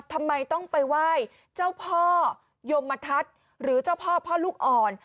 ทำไมต้องไปไหว้เจ้าพ่อยมทัศน์หรือเจ้าพ่อพ่อลูกอ่อน